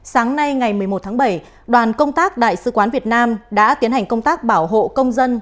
sáng nay ngày một mươi một tháng bảy đoàn công tác đại sứ quán việt nam đã tiến hành công tác bảo hộ công dân